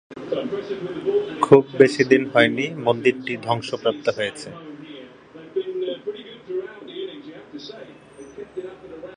খুব বেশিদিন হয়নি মন্দিরটি ধ্বংসপ্রাপ্ত হয়েছে।